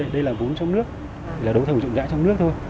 đây là vốn trong nước là đối thầu chậm chạp trong nước thôi